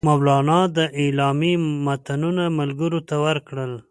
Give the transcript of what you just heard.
مولنا د اعلامیې متنونه ملګرو ته ورکړل.